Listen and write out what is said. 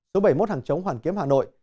số bảy mươi một hàng chống hoàn kiếm hà nội